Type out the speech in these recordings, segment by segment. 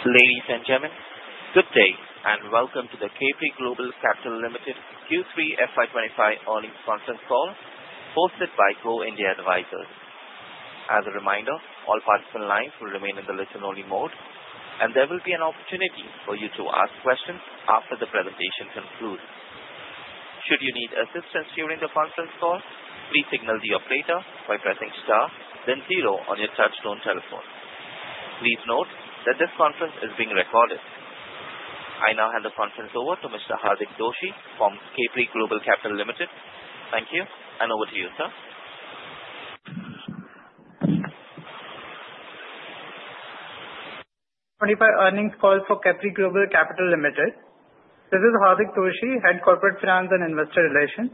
Ladies and gentlemen, good day and welcome to the Capri Global Capital Limited Q3 FY25 Earnings Conference Call hosted by Go India Advisors. As a reminder, all participant lines will remain in the listen-only mode, and there will be an opportunity for you to ask questions after the presentation concludes. Should you need assistance during the conference call, please signal the operator by pressing star, then zero on your touch-tone telephone. Please note that this conference is being recorded. I now hand the conference over to Mr. Hardik Doshi from Capri Global Capital Limited. Thank you, and over to you, sir. 2025 Earnings Call for Capri Global Capital Limited. This is Hardik Doshi, Head of Corporate Finance and Investor Relations.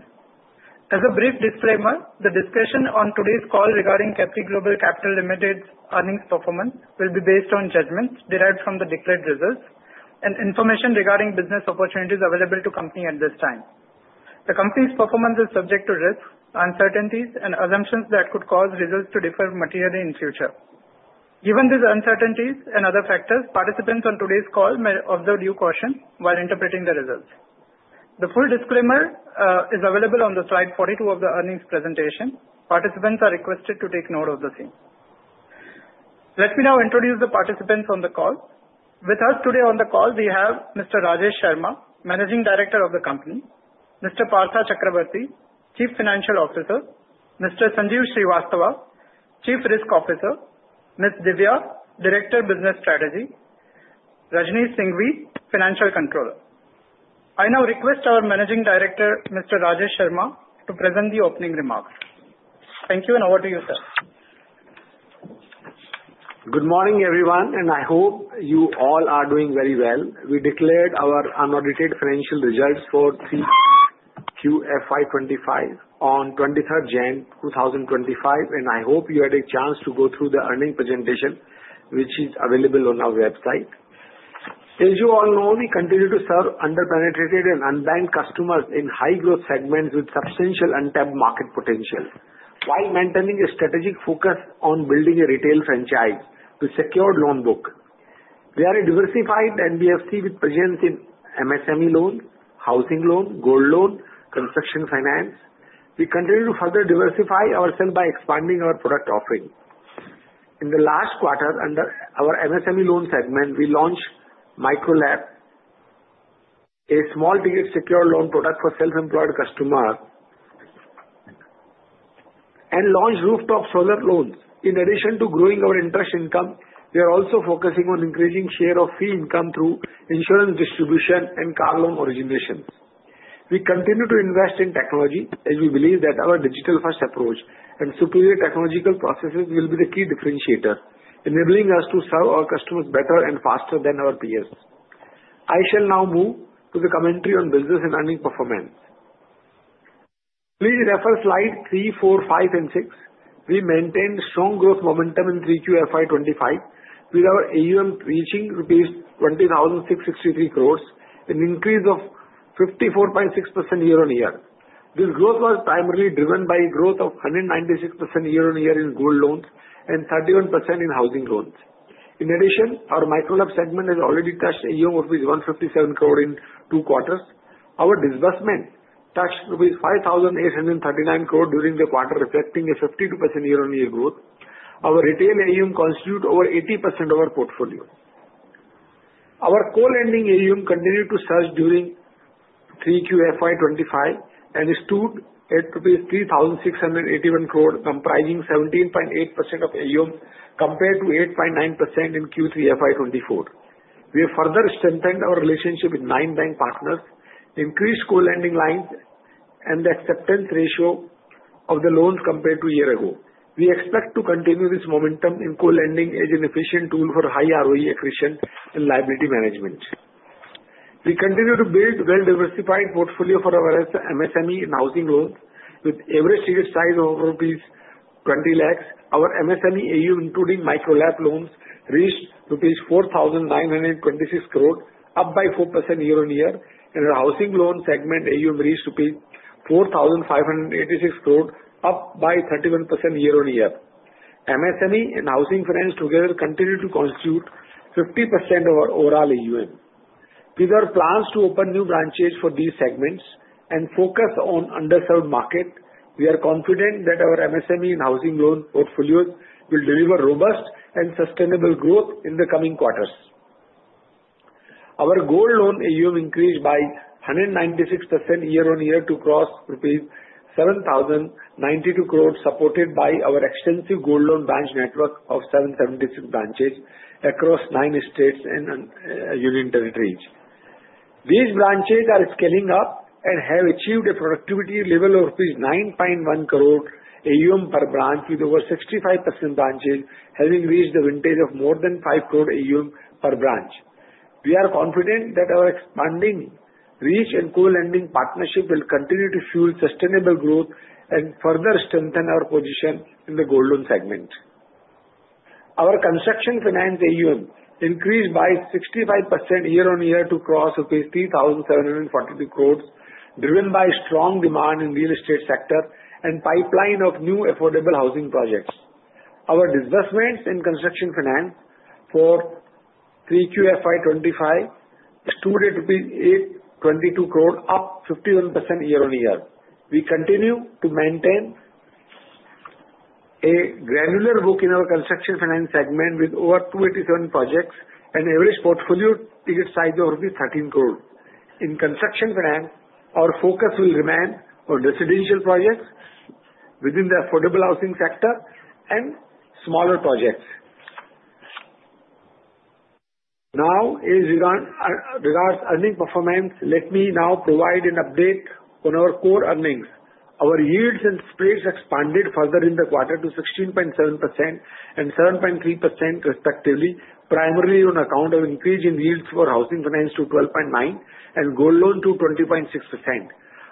As a brief disclaimer, the discussion on today's call regarding Capri Global Capital Limited's earnings performance will be based on judgments derived from the declared results and information regarding business opportunities available to the company at this time. The company's performance is subject to risks, uncertainties, and assumptions that could cause results to differ materially in the future. Given these uncertainties and other factors, participants on today's call may observe due caution while interpreting the results. The full disclaimer is available on slide 42 of the earnings presentation. Participants are requested to take note of the same. Let me now introduce the participants on the call. With us today on the call, we have Mr. Rajesh Sharma, Managing Director of the company; Mr. Partha Chakravarty, Chief Financial Officer; Mr. Sanjeev Srivastava, Chief Risk Officer, Ms. Divya, Director of Business Strategy, Rajneesh Singhvi, Financial Controller. I now request our Managing Director, Mr. Rajesh Sharma, to present the opening remarks. Thank you, and over to you, sir. Good morning, everyone, and I hope you all are doing very well. We declared our unaudited financial results for Q3 FY25 on 23rd June 2025, and I hope you had a chance to go through the earnings presentation, which is available on our website. As you all know, we continue to serve underpenetrated and unbanked customers in high-growth segments with substantial untapped market potential while maintaining a strategic focus on building a retail franchise to secure loan books. We are a diversified NBFC with presence in MSME loans, housing loans, gold loans, and construction finance. We continue to further diversify ourselves by expanding our product offering. In the last quarter, under our MSME loan segment, we launched Micro LAP, a small ticket secured loan product for self-employed customers, and launched rooftop solar loans. In addition to growing our interest income, we are also focusing on increasing share of fee income through insurance distribution and car loan origination. We continue to invest in technology as we believe that our digital-first approach and superior technological processes will be the key differentiator, enabling us to serve our customers better and faster than our peers. I shall now move to the commentary on business and earnings performance. Please refer slides 3, 4, 5, and 6. We maintained strong growth momentum in Q3 FY25 with our AUM reaching rupees 20,663 crores, an increase of 54.6% year-on-year. This growth was primarily driven by a growth of 196% year-on-year in gold loans and 31% in housing loans. In addition, our Micro LAP segment has already touched AUM of rupees 157 crore in two quarters. Our disbursement touched rupees 5,839 crore during the quarter, reflecting a 52% year-on-year growth. Our retail AUM constitutes over 80% of our portfolio. Our co-lending AUM continued to surge during Q3 FY25 and stood at rupees 3,681 crore, comprising 17.8% of AUM compared to 8.9% in Q3 FY24. We have further strengthened our relationship with nine bank partners, increased co-lending lines, and the acceptance ratio of the loans compared to a year ago. We expect to continue this momentum in co-lending as an efficient tool for high ROE accretion and liability management. We continue to build a well-diversified portfolio for our MSME and housing loans. With average ticket size of rupees 20 lakhs, our MSME AUM, including Micro LAP loans, reached rupees 4,926 crore, up by 4% year-on-year, and our housing loan segment AUM reached rupees 4,586 crore, up by 31% year-on-year. MSME and housing finance together continue to constitute 50% of our overall AUM. With our plans to open new branches for these segments and focus on underserved markets, we are confident that our MSME and housing loan portfolios will deliver robust and sustainable growth in the coming quarters. Our gold loan AUM increased by 196% year-on-year to cross rupees 7,092 crore, supported by our extensive gold loan branch network of 776 branches across nine states and union territories. These branches are scaling up and have achieved a productivity level of rupees 9.1 crore AUM per branch, with over 65% branches having reached the vintage of more than 5 crore AUM per branch. We are confident that our expanding reach and co-lending partnership will continue to fuel sustainable growth and further strengthen our position in the gold loan segment. Our construction finance AUM increased by 65% year-on-year to cross rupees 3,742 crore, driven by strong demand in the real estate sector and pipeline of new affordable housing projects. Our disbursements in construction finance for Q3 FY25 stood at 822 crore, up 51% year-on-year. We continue to maintain a granular book in our construction finance segment with over 287 projects and average portfolio ticket size of 13 crore. In construction finance, our focus will remain on residential projects within the affordable housing sector and smaller projects. Now, as regards earnings performance, let me now provide an update on our core earnings. Our yields and spreads expanded further in the quarter to 16.7% and 7.3% respectively, primarily on account of increase in yields for housing finance to 12.9% and gold loan to 20.6%.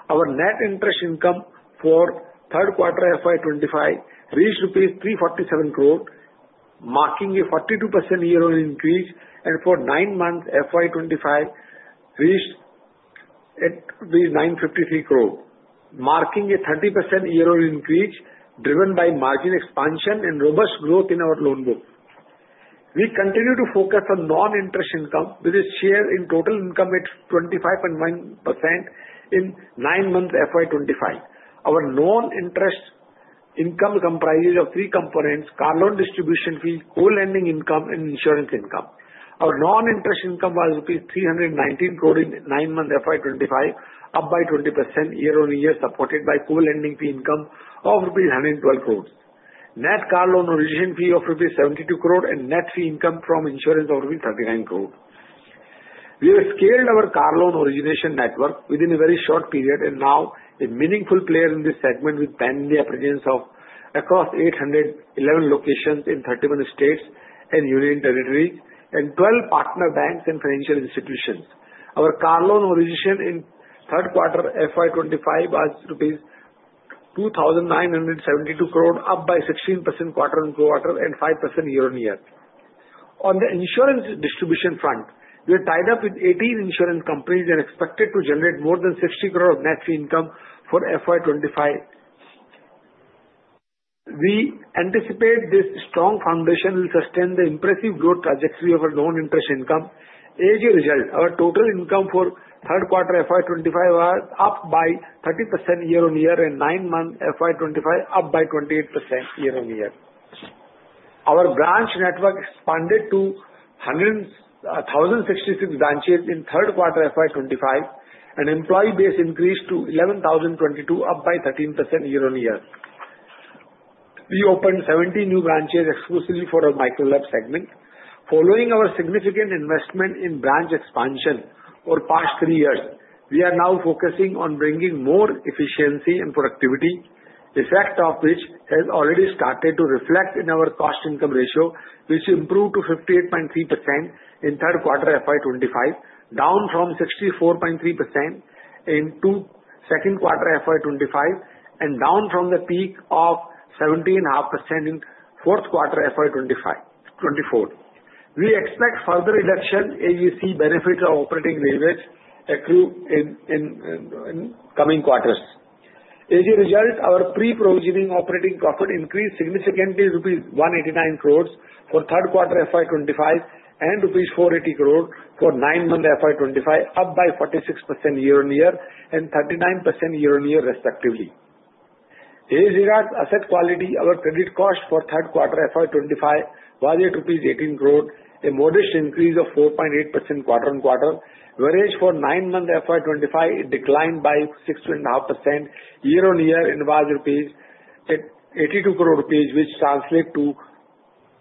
Our net interest income for Q3 FY25 reached rupees 347 crore, marking a 42% year-on-year increase, and for nine months FY25 reached 953 crore, marking a 30% year-on-year increase driven by margin expansion and robust growth in our loan books. We continue to focus on non-interest income, with a share in total income at 25.1% in nine months FY25. Our non-interest income comprises of three components: car loan distribution fee, co-lending income, and insurance income. Our non-interest income was INR 319 crore in nine months FY25, up by 20% year-on-year, supported by co-lending fee income of INR 112 crore, net car loan origination fee of INR 72 crore, and net fee income from insurance of INR 39 crore. We have scaled our car loan origination network within a very short period, and now a meaningful player in this segment with pan-India presence across 811 locations in 31 states and union territories and 12 partner banks and financial institutions. Our car loan origination in Q3 FY25 was INR 2,972 crore, up by 16% quarter-on-quarter and 5% year-on-year. On the insurance distribution front, we are tied up with 18 insurance companies and expected to generate more than 60 crore of net fee income for FY25. We anticipate this strong foundation will sustain the impressive growth trajectory of our non-interest income. As a result, our total income for Q3 FY25 was up by 30% year-on-year and nine months FY25 up by 28% year-on-year. Our branch network expanded to 1,066 branches in Q3 FY25, and employee base increased to 11,022, up by 13% year-on-year. We opened 70 new branches exclusively for our Micro LAP segment. Following our significant investment in branch expansion over the past three years, we are now focusing on bringing more efficiency and productivity, the effect of which has already started to reflect in our cost-to-income ratio, which improved to 58.3% in Q3 FY25, down from 64.3% in Q2 FY25 and down from the peak of 70.5% in Q4 FY24. We expect further reduction as we see benefits of operating leverage accrue in coming quarters. As a result, our pre-provisioning operating profit increased significantly to rupees 189 crore for Q3 FY25 and rupees 480 crore for nine months FY25, up by 46% year-on-year and 39% year-on-year respectively. As regards asset quality, our credit cost for Q3 FY25 was 18 crore, a modest increase of 4.8% quarter-on-quarter, whereas for nine months FY25, it declined by 62.5% year-on-year and was INR 82 crore, which translates to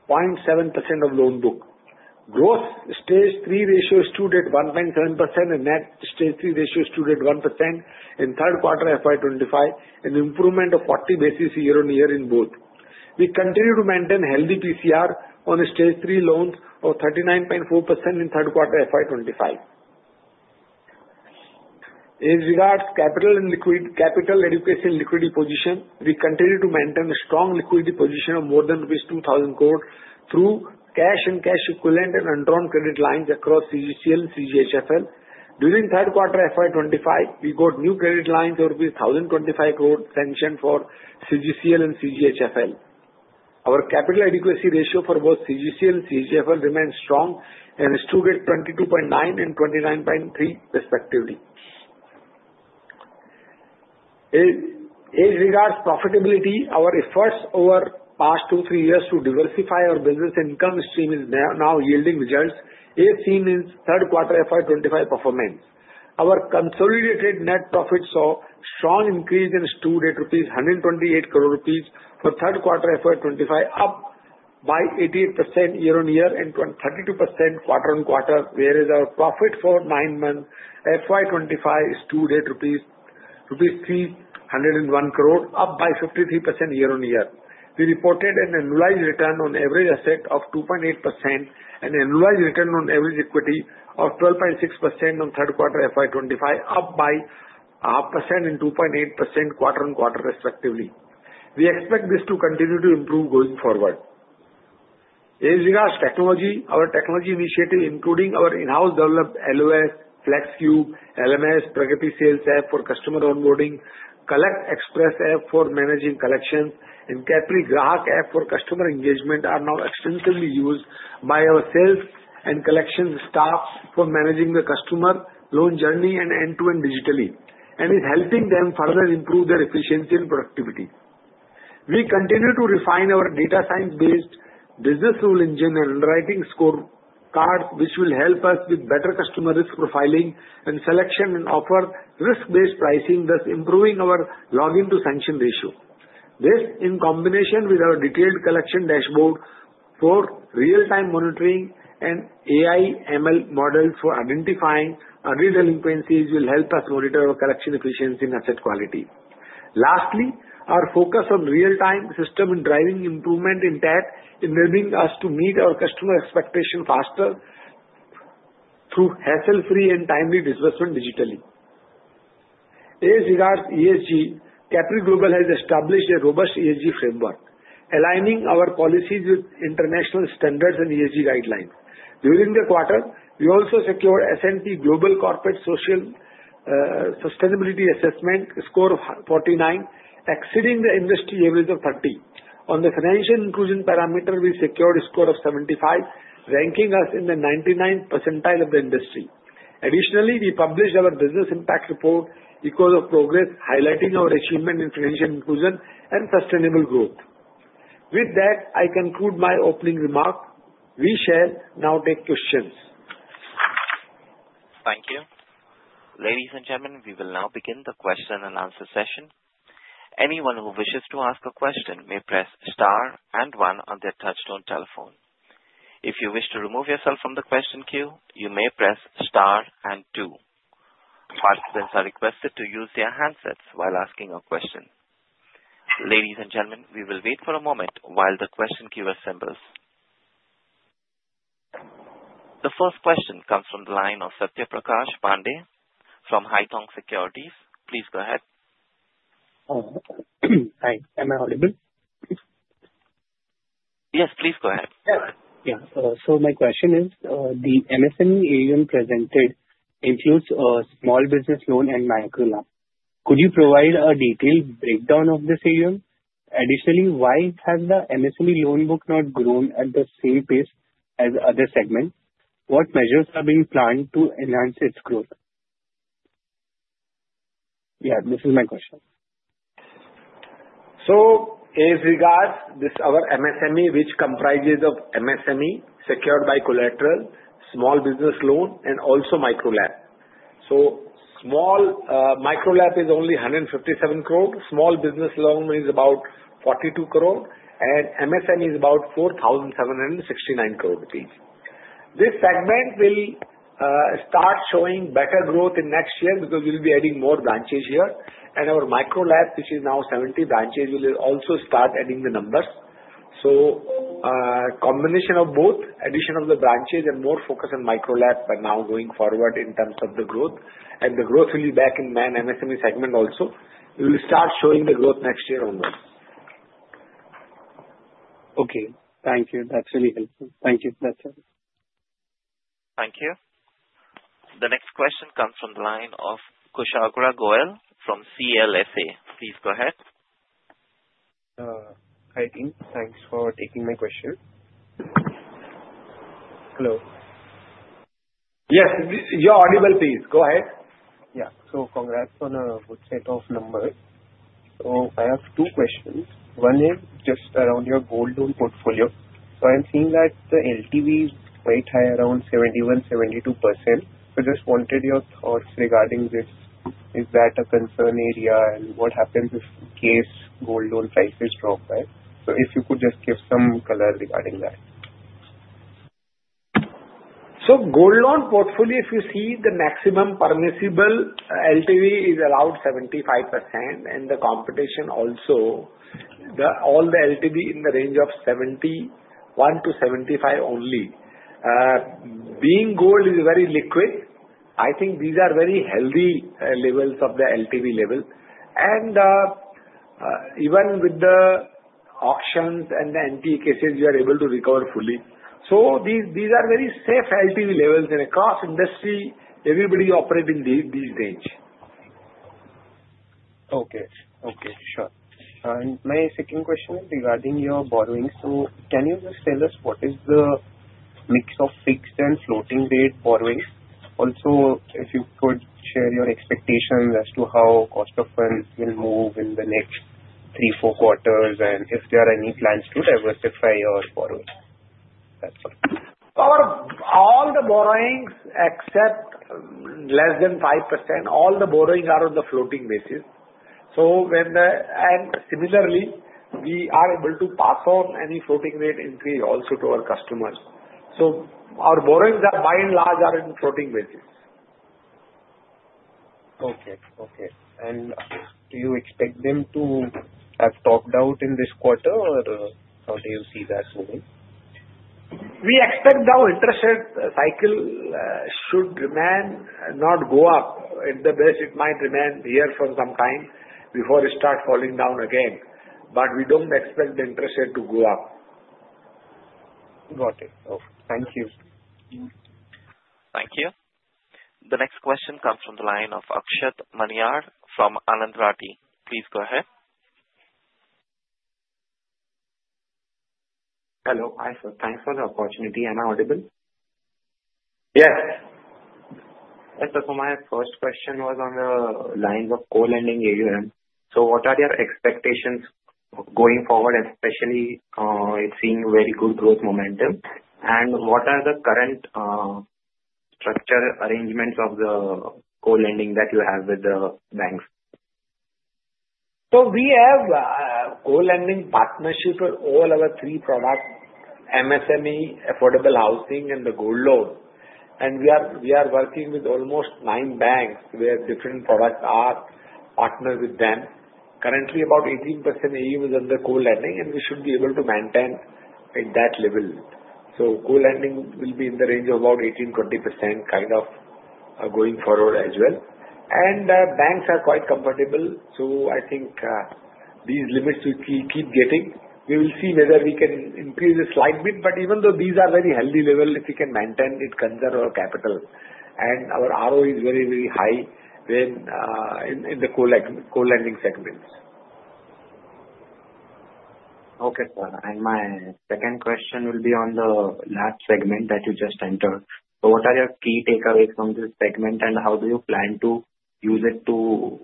0.7% of loan book. Gross stage III ratio stood at 1.7% and net stage III ratio stood at 1% in Q3 FY25, an improvement of 40 basis points year-on-year in both. We continue to maintain healthy PCR on stage III loans of 39.4% in Q3 FY25. As regards capital and capital adequacy and liquidity position, we continue to maintain a strong liquidity position of more than rupees 2,000 crore through cash and cash equivalents and undrawn credit lines across CGCL and CGHFL. During Q3 FY25, we got new credit lines of 1,025 crore sanctioned for CGCL and CGHFL. Our capital adequacy ratio for both CGCL and CGHFL remains strong and stood at 22.9% and 29.3% respectively. As regards profitability, our efforts over the past two to three years to diversify our business income stream is now yielding results as seen in Q3 FY25 performance. Our consolidated net profit saw strong increase and stood at 128 crore rupees for Q3 FY25, up by 88% year-on-year and 32% quarter-on-quarter, whereas our profit for nine months FY25 stood at rupees 301 crore, up by 53% year-on-year. We reported an annualized return on average asset of 2.8% and an annualized return on average equity of 12.6% on Q3 FY25, up by 0.5% and 2.8% quarter-on-quarter respectively. We expect this to continue to improve going forward. As regards technology, our technology initiative, including our in-house developed LOS, Flexcube, LMS, Pragati Sales App for customer onboarding, Collect Express App for managing collections, and Capri Grahak App for customer engagement, are now extensively used by our sales and collections staff for managing the customer loan journey and end-to-end digitally, and is helping them further improve their efficiency and productivity. We continue to refine our data science-based business rule engine and underwriting score cards, which will help us with better customer risk profiling and selection and offer risk-based pricing, thus improving our login-to-sanction ratio. This, in combination with our detailed collection dashboard for real-time monitoring and AI/ML models for identifying early delinquencies, will help us monitor our collection efficiency and asset quality. Lastly, our focus on real-time system and driving improvement in tech enabling us to meet our customer expectation faster through hassle-free and timely disbursement digitally. As regards ESG, Capri Global has established a robust ESG framework, aligning our policies with international standards and ESG guidelines. During the quarter, we also secured S&P Global Corporate Sustainability Assessment score of 49, exceeding the industry average of 30. On the financial inclusion parameter, we secured a score of 75, ranking us in the 99th percentile of the industry. Additionally, we published our business impact report because of progress, highlighting our achievement in financial inclusion and sustainable growth. With that, I conclude my opening remark. We shall now take questions. Thank you. Ladies and gentlemen, we will now begin the question and answer session. Anyone who wishes to ask a question may press star and one on their touch-tone telephone. If you wish to remove yourself from the question queue, you may press star and two. Participants are requested to use their handsets while asking a question. Ladies and gentlemen, we will wait for a moment while the question queue assembles. The first question comes from the line of Satyaprakash Pandey from Haitong Securities. Please go ahead. Hi. Am I audible? Yes, please go ahead. Yeah. So my question is, the MSME AUM presented includes a small business loan and micro loan. Could you provide a detailed breakdown of this AUM? Additionally, why has the MSME loan book not grown at the same pace as other segments? What measures are being planned to enhance its growth? Yeah, this is my question. So as regards our MSME, which comprises of MSME secured by collateral, small business loan, and also Micro LAP. So Micro LAP is only 157 crore. Small business loan is about 42 crore, and MSME is about 4,769 crore rupees. This segment will start showing better growth in next year because we'll be adding more branches here. And our Micro LAP, which is now 70 branches, will also start adding the numbers. So combination of both, addition of the branches and more focus on Micro LAP from now going forward in terms of the growth, and the growth will be back in MSME segment also. We will start showing the growth next year only. Okay. Thank you. That's really helpful. Thank you, Satyaprakash. Thank you. The next question comes from the line of Kushagra Goel from CLSA. Please go ahead. Hi, team. Thanks for taking my question. Hello. Yes. You're audible, please. Go ahead. Yeah. So congrats on a good set of numbers. So I have two questions. One is just around your gold loan portfolio. So I'm seeing that the LTV is quite high, around 71%-72%. So I just wanted your thoughts regarding this. Is that a concern area, and what happens if in case Gold Loan prices drop? So if you could just give some color regarding that. So Gold Loan portfolio, if you see the maximum permissible LTV is around 75%, and the competition also all the LTV in the range of 71%-75% only. Being gold is very liquid, I think these are very healthy levels of the LTV level. And even with the auctions and the NPA cases, you are able to recover fully. So these are very safe LTV levels across industry. Everybody operates in these range. Okay. Okay. Sure. My second question is regarding your borrowing. So can you just tell us what is the mix of fixed and floating rate borrowing? Also, if you could share your expectations as to how cost of funds will move in the next three, four quarters and if there are any plans to diversify your borrowing? That's all. All the borrowings except less than 5%, all the borrowings are on the floating basis. And similarly, we are able to pass on any floating rate increase also to our customers. So our borrowings, by and large, are in floating basis. Okay. Okay. And do you expect them to have topped out in this quarter, or how do you see that moving? We expect our interest rate cycle should not go up. At the best, it might remain here for some time before it starts falling down again. But we don't expect the interest rate to go up. Got it. Okay. Thank you. Thank you. The next question comes from the line of Akshat Maniar from Anand Rathi. Please go ahead. Hello. Hi, sir. Thanks for the opportunity. Am I audible? Yes. Sir, so my first question was on the lines of co-lending AUM. So what are your expectations going forward, especially seeing very good growth momentum? And what are the current structure arrangements of the co-lending that you have with the banks? So we have co-lending partnerships with all our three products, MSME, affordable housing, and the Gold Loan. And we are working with almost nine banks where different products are partnered with them. Currently, about 18% AUM is under co-lending, and we should be able to maintain at that level. So co-lending will be in the range of about 18%-20% kind of going forward as well. And banks are quite comfortable. So I think these limits we keep getting. We will see whether we can increase it slightly. But even though these are very healthy levels, if we can maintain it, it concerns our capital. And our ROE is very, very high in the co-lending segments. Okay, sir. And my second question will be on the last segment that you just entered. So what are your key takeaways from this segment, and how do you plan to use it to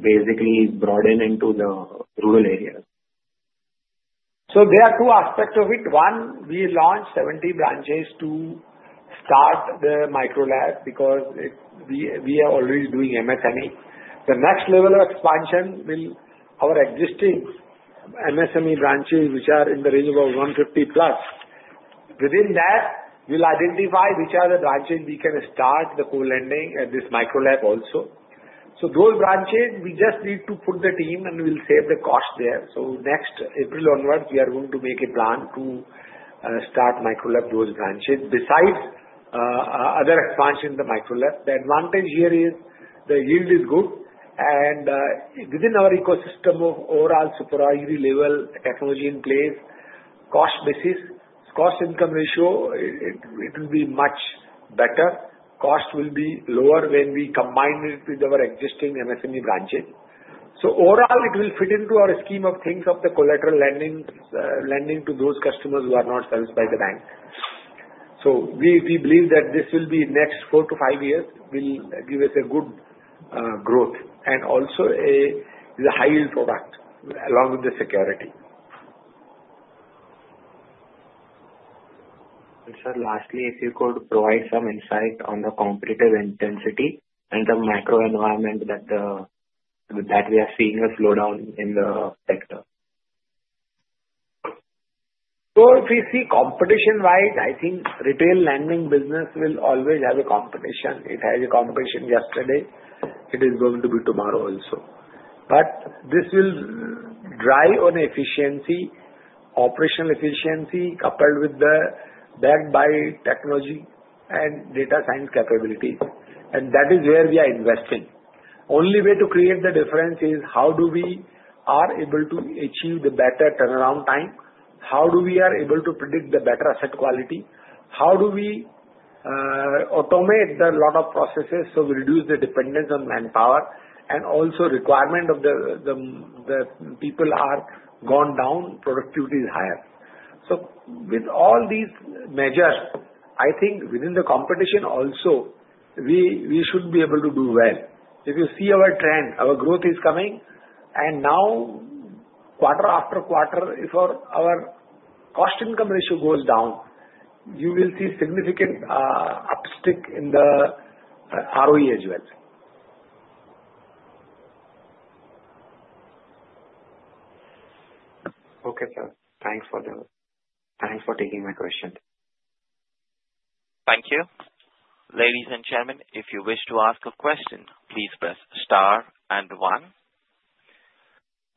basically broaden into the rural areas? So there are two aspects of it. One, we launched 70 branches to start the Micro LAP because we are always doing MSME. The next level of expansion will be our existing MSME branches, which are in the range of 150+. Within that, we'll identify which are the branches we can start the co-lending at this Micro LAP also. So those branches, we just need to put the team, and we'll save the cost there. So next April onwards, we are going to make a plan to start Micro LAP in those branches. Besides other expansion in the Micro LAP, the advantage here is the yield is good. And within our ecosystem of overall super aggregate level technology in place, cost basis, cost-to-income ratio, it will be much better. Cost will be lower when we combine it with our existing MSME branches. So overall, it will fit into our scheme of things of the collateral lending to those customers who are not serviced by the bank. So we believe that this will be next four to five years will give us a good growth and also a high-yield product along with the security. And sir, lastly, if you could provide some insight on the competitive intensity and the macro environment that we are seeing a slowdown in the sector. So if we see competition-wise, I think retail lending business will always have a competition. It has a competition yesterday. It is going to be tomorrow also. But this will drive on efficiency, operational efficiency, coupled with, backed by technology and data science capabilities. And that is where we are investing. Only way to create the difference is how do we are able to achieve the better turnaround time, how do we are able to predict the better asset quality, how do we automate the lot of processes so we reduce the dependence on manpower, and also requirement of the people are gone down, productivity is higher. So with all these measures, I think within the competition also, we should be able to do well. If you see our trend, our growth is coming. And now, quarter after quarter, if our cost-income ratio goes down, you will see significant upstick in the ROE as well. Okay, sir. Thanks for taking my question. Thank you. Ladies and gentlemen, if you wish to ask a question, please press star and one.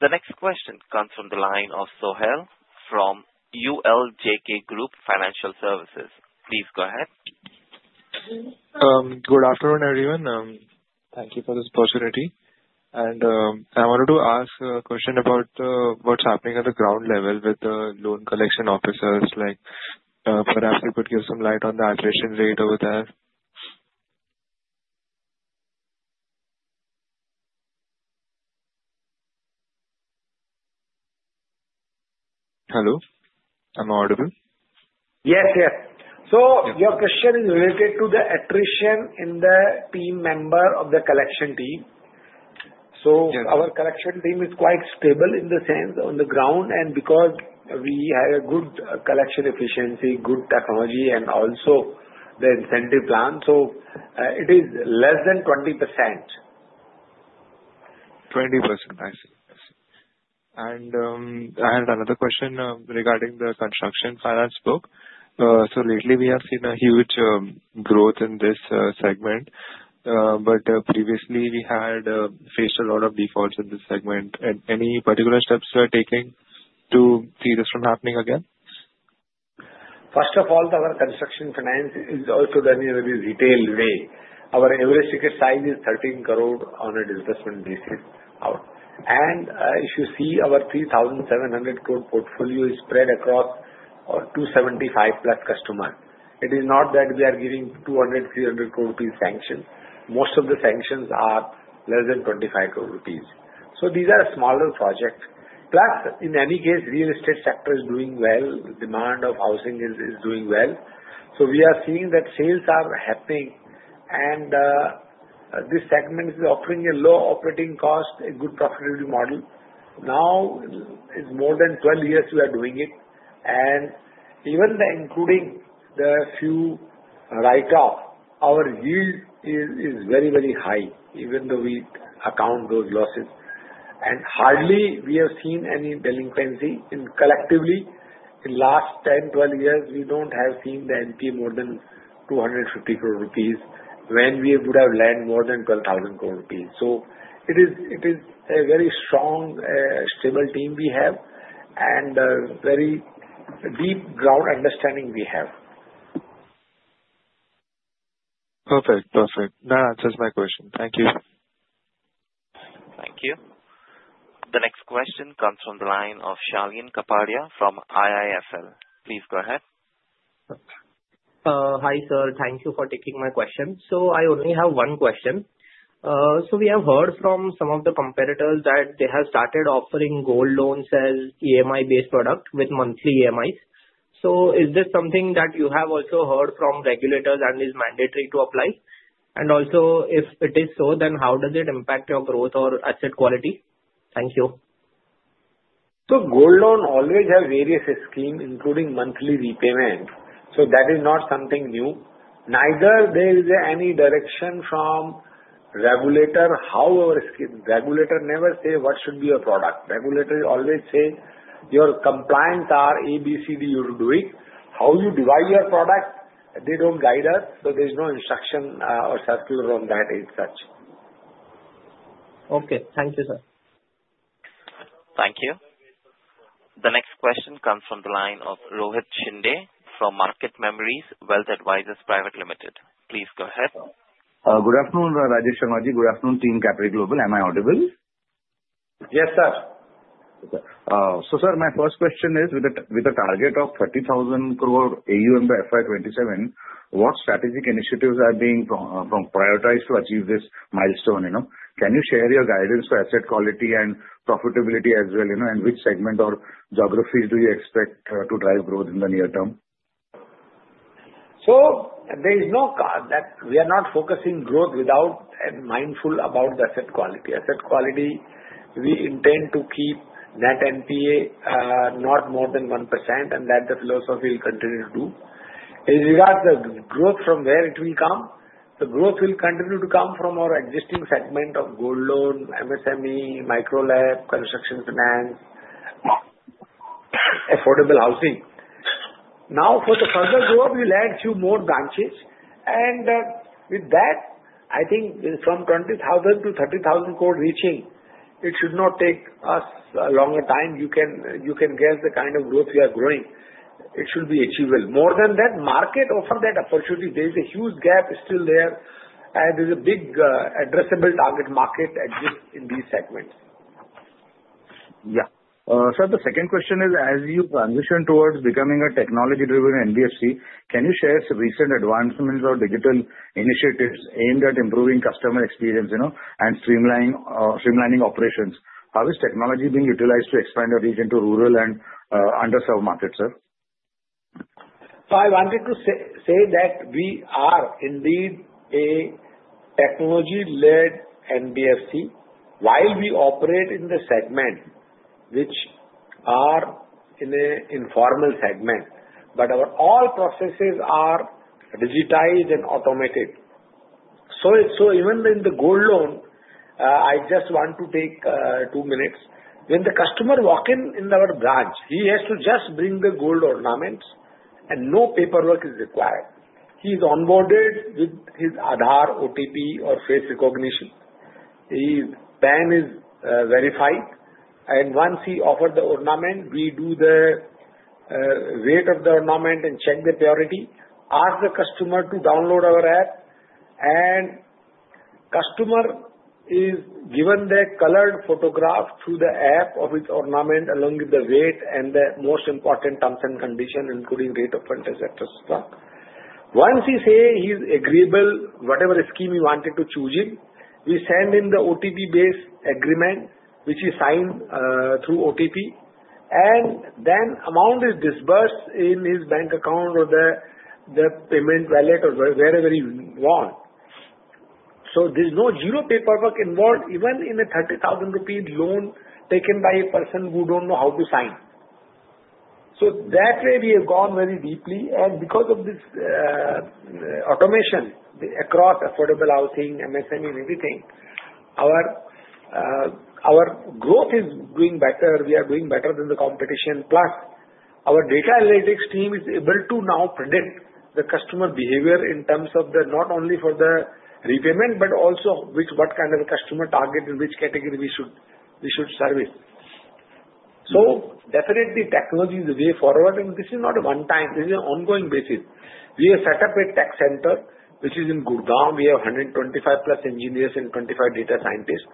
The next question comes from the line of Sohail from ULJK Group Financial Services. Please go ahead. Good afternoon, everyone. Thank you for this opportunity. And I wanted to ask a question about what's happening at the ground level with the loan collection officers. Perhaps you could give some light on the attrition rate over there. Hello? Am I audible? Yes, yes. So your question is related to the attrition in the team member of the collection team. Our collection team is quite stable in the sense on the ground, and because we have good collection efficiency, good technology, and also the incentive plan, so it is less than 20%. I see. And I had another question regarding the construction finance book. Lately, we have seen a huge growth in this segment. But previously, we had faced a lot of defaults in this segment. Any particular steps you are taking to keep this from happening again? First of all, our construction finance is also done in a very retail way. Our average ticket size is 13 crore on a disbursement basis. And if you see, our 3,700 crore portfolio is spread across 275 plus customers. It is not that we are giving 200-300 crore rupees sanctions. Most of the sanctions are less than 25 crore rupees. These are smaller projects. Plus, in any case, real estate sector is doing well. Demand of housing is doing well. So we are seeing that sales are happening. And this segment is offering a low operating cost, a good profitability model. Now, it's more than 12 years we are doing it. And even including the few write-off, our yield is very, very high, even though we account those losses. And hardly, we have seen any delinquency. Collectively, in the last 10, 12 years, we don't have seen the NPA more than 250 crore rupees when we would have lent more than 12,000 crore rupees. So it is a very strong, stable team we have and very deep ground understanding we have. Perfect. Perfect. That answers my question. Thank you. Thank you. The next question comes from the line of Shalin Kapadia from IIFL. Please go ahead. Hi, sir. Thank you for taking my question. I only have one question. We have heard from some of the competitors that they have started offering gold loans as EMI-based product with monthly EMIs. Is this something that you have also heard from regulators and is mandatory to apply? And also, if it is so, then how does it impact your growth or asset quality? Thank you. Gold loan always has various schemes, including monthly repayment. That is not something new. Neither there is any direction from regulator. However, regulators never say what should be your product. Regulators always say your compliance are A, B, C, D you're doing. How you divide your product, they don't guide us. There's no instruction or circular on that as such. Okay. Thank you, sir. Thank you. The next question comes from the line of Rohit Shinde from MARKET MEMORIES WEALTH ADVISORS LIMITED. Please go ahead. Good afternoon, Rajesh Sharma ji. Good afternoon, team Capri Global. Am I audible? Yes, sir. So, sir, my first question is, with a target of 30,000 crore AUM by FY 2027, what strategic initiatives are being prioritized to achieve this milestone? Can you share your guidance for asset quality and profitability as well? And which segment or geographies do you expect to drive growth in the near term? So, there is no catch that we are not focusing growth without being mindful about the asset quality. Asset quality, we intend to keep net NPA not more than 1%, and that's the philosophy we'll continue to do. In regards to the growth from where it will come, the growth will continue to come from our existing segment of Gold Loan, MSME, Micro LAP, construction finance, affordable housing. Now, for the further growth, we'll add a few more branches. With that, I think from 20,000 crore to 30,000 crore reaching, it should not take us a longer time. You can guess the kind of growth we are growing. It should be achievable. More than that, market offers that opportunity. There is a huge gap still there, and there's a big addressable target market in these segments. Yeah. Sir, the second question is, as you transition towards becoming a technology-driven NBFC, can you share some recent advancements or digital initiatives aimed at improving customer experience and streamlining operations? How is technology being utilized to expand the region to rural and underserved markets, sir? I wanted to say that we are indeed a technology-led NBFC while we operate in the segment which are in an informal segment. Our all processes are digitized and automated. Even in the gold loan, I just want to take two minutes. When the customer walks in our branch, he has to just bring the gold ornaments, and no paperwork is required. He is onboarded with his Aadhaar, OTP, or face recognition. His PAN is verified, and once he offers the ornament, we do the weight of the ornament and check the purity, ask the customer to download our app, and customer is given the colored photograph through the app of his ornament along with the weight and the most important terms and conditions, including date of purchase, etc. Once he says he's agreeable, whatever scheme he wanted to choose in, we send him the OTP-based agreement, which he signs through OTP, and then the amount is disbursed in his bank account or the payment wallet or wherever he wants, so there's no, zero paperwork involved, even in a 30,000 rupee loan taken by a person who doesn't know how to sign. So that way, we have gone very deeply. And because of this automation across affordable housing, MSME, and everything, our growth is doing better. We are doing better than the competition. Plus, our data analytics team is able to now predict the customer behavior in terms of not only for the repayment, but also what kind of customer target and which category we should service. So definitely, technology is the way forward. And this is not a one-time. This is an ongoing basis. We have set up a tech center, which is in Gurugram. We have 125+ engineers and 25 data scientists.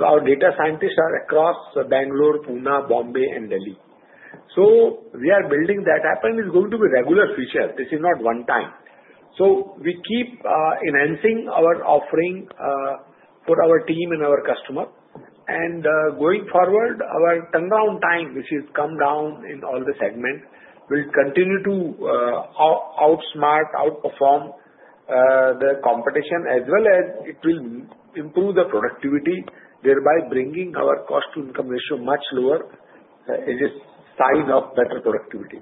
Our data scientists are across Bangalore, Pune, Bombay, and Delhi. So we are building that up, and it's going to be a regular feature. This is not one-time. So we keep enhancing our offering for our team and our customer. Going forward, our turnaround time, which has come down in all the segments, will continue to outsmart, outperform the competition, as well as it will improve the productivity, thereby bringing our cost-to-income ratio much lower in the size of better productivity.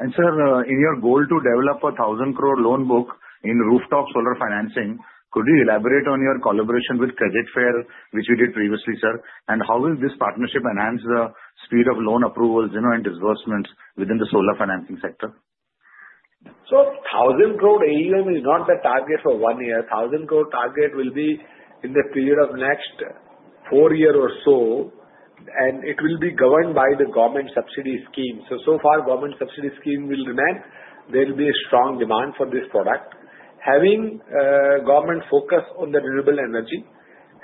Sir, in your goal to develop a 1,000 crore loan book in rooftop solar financing, could you elaborate on your collaboration with Credit Fair, which we did previously, sir? And how will this partnership enhance the speed of loan approvals and disbursements within the solar financing sector? 1,000 crore AUM is not the target for one year. 1,000 crore target will be in the period of next four years or so. And it will be governed by the government subsidy scheme. So far, government subsidy scheme will remain. There will be a strong demand for this product. Having government focus on the renewable energy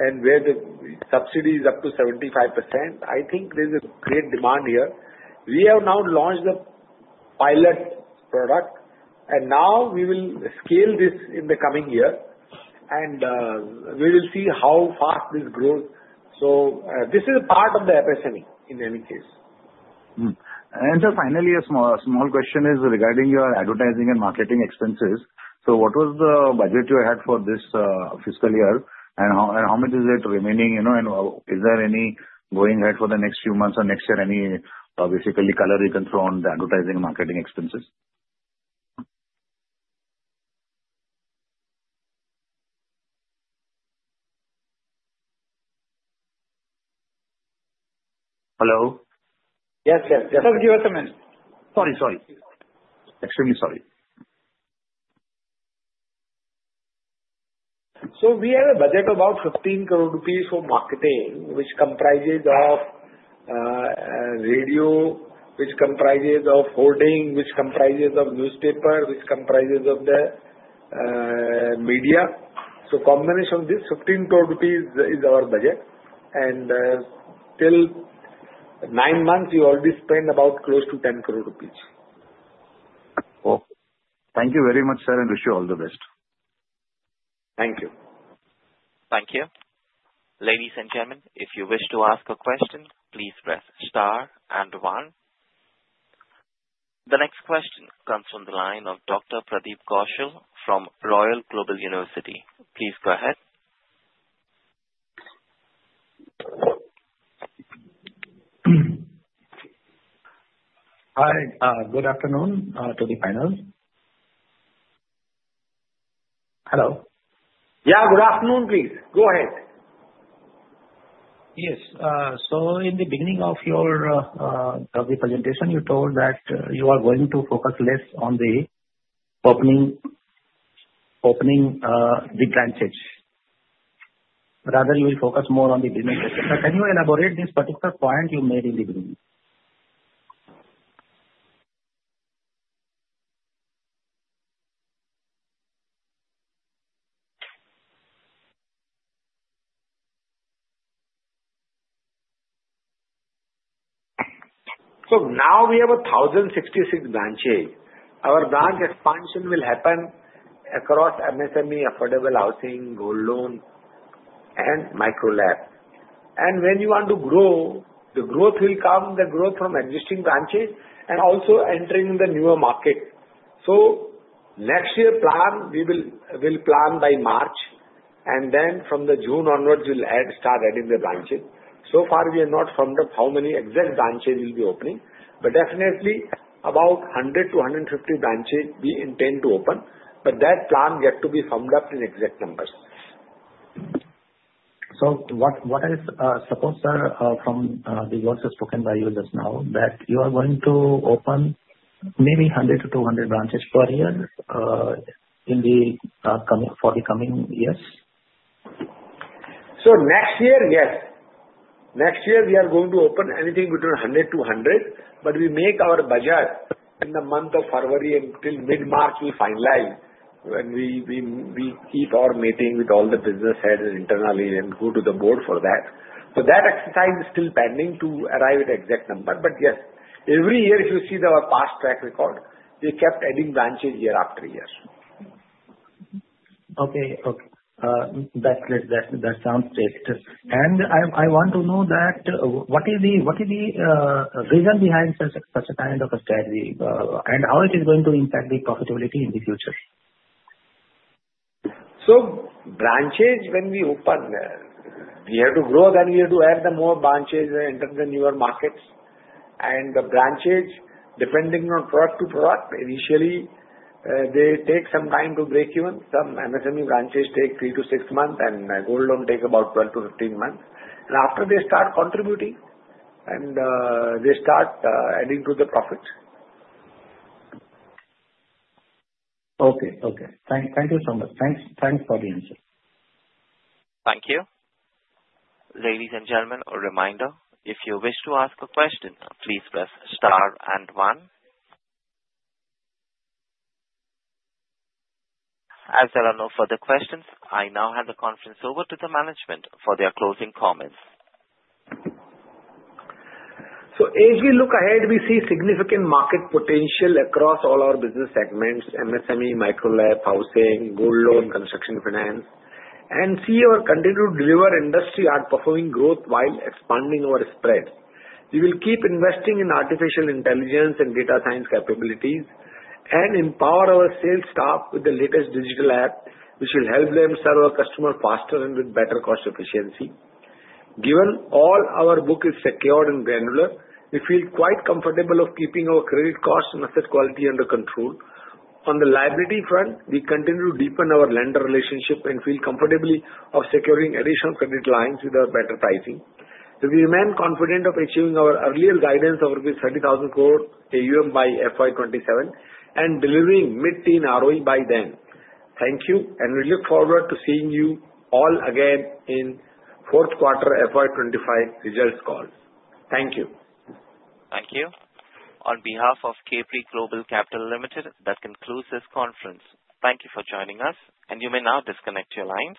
and where the subsidy is up to 75%, I think there's a great demand here. We have now launched the pilot product. And now we will scale this in the coming year. And we will see how fast this grows. So this is a part of the MSME in any case. And, sir, finally, a small question is regarding your advertising and marketing expenses. So what was the budget you had for this fiscal year? And how much is it remaining? And is there any going ahead for the next few months or next year, any basically color you can throw on the advertising and marketing expenses? Hello? Yes, yes, yes. Sir, give us a minute. Sorry, sorry. Extremely sorry. So we have a budget of about 15 crore rupees for marketing, which comprises of radio, which comprises of hoarding, which comprises of newspaper, which comprises of the media. So combination of this, 15 crore rupees is our budget. And till nine months, we already spent about close to 10 crore rupees. Thank you very much, sir. And wish you all the best. Thank you. Thank you. Ladies and gentlemen, if you wish to ask a question, please press star and one. The next question comes from the line of Dr. Pradeep Kaushal from Royal Global University. Please go ahead. Hi. Good afternoon to the panel. Hello? Yeah. Good afternoon, please. Go ahead. Yes. So in the beginning of your presentation, you told that you are going to focus less on the opening big branches. Rather, you will focus more on the business. Can you elaborate on this particular point you made in the beginning? So now we have 1,066 branches. Our branch expansion will happen across MSME, affordable housing, Gold Loan, and Micro LAP. And when you want to grow, the growth will come from existing branches and also entering the newer market. So next year's plan, we will plan by March. And then from June onwards, we'll start adding the branches. So far, we have not firmed up how many exact branches we'll be opening. But definitely, about 100-150 branches we intend to open. But that plan yet to be firmed up in exact numbers. So what I suppose, sir, from the words spoken by you just now, that you are going to open maybe 100-200 branches per year for the coming years? So next year, yes. Next year, we are going to open anything between 100-200. But we make our budget in the month of February until mid-March, we finalize when we keep our meeting with all the business heads internally and go to the board for that. So that exercise is still pending to arrive at exact number. But yes, every year, if you see our past track record, we kept adding branches year after year. Okay. Okay. That sounds great. And I want to know that what is the reason behind such a kind of a strategy and how it is going to impact the profitability in the future? So branches, when we open, we have to grow, then we have to add more branches and enter the newer markets. And the branches, depending on product to product, initially, they take some time to break even. Some MSME branches take three-to-six months, and Gold Loan takes about 12-15 months, and after they start contributing, they start adding to the profits. Okay. Okay. Thank you so much. Thanks for the answer. Thank you. Ladies and gentlemen, a reminder. If you wish to ask a question, please press star and one. As there are no further questions, I now hand the conference over to the management for their closing comments. so as we look ahead, we see significant market potential across all our business segments: MSME, Micro LAP, housing, Gold Loan, construction finance. And CGCL continues to deliver industry-outperforming growth while expanding our spread. We will keep investing in artificial intelligence and data science capabilities and empower our sales staff with the latest digital app, which will help them serve our customers faster and with better cost efficiency. Given all our book is secured and granular, we feel quite comfortable of keeping our credit costs and asset quality under control. On the liability front, we continue to deepen our lender relationship and feel comfortable of securing additional credit lines with better pricing. We remain confident of achieving our earlier guidance of 30,000 crore AUM by FY 27 and delivering mid-teen ROE by then. Thank you. And we look forward to seeing you all again in fourth quarter FY 25 results calls. Thank you. Thank you. On behalf of Capri Global Capital Limited, that concludes this conference. Thank you for joining us. And you may now disconnect your lines.